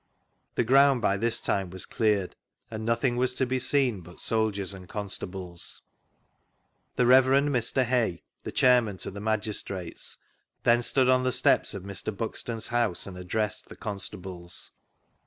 The ground by this time was cleared, and nothing was to be seen but soldieis and constables. The Rev. Mr. Hay (the Chairman to the Magis trates) then stood on the steps of Mr. Buxtwi's house and addressed tbe constablies.